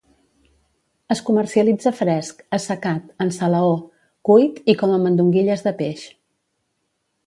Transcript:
Es comercialitza fresc, assecat, en salaó, cuit i com a mandonguilles de peix.